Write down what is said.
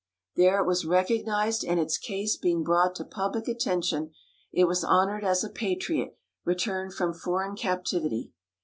There it was recognized and its case being brought to public attention it was honored as a patriot returned from foreign captivity.